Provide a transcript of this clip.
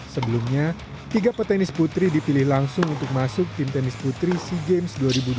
sebelumnya tiga petenis putri dipilih langsung untuk masuk tim tenis putri sea games dua ribu dua puluh